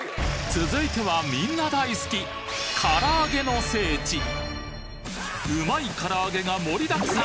続いてはみんな大好きうまいから揚げが盛りだくさん！